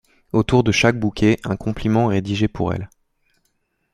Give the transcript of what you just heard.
Autour de chaque bouquet un compliment est rédigé pour elle.